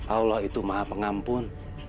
allah itu maha pengampun